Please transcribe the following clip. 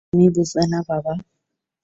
ও তুমি বুঝবে না বাবা।